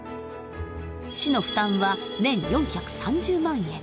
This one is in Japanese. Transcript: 市の負担は年４３０万円。